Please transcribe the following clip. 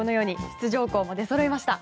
出場校も出そろいました。